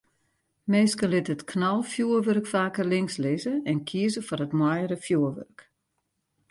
Minsken litte it knalfjoerwurk faker links lizze en kieze foar it moaiere fjoerwurk.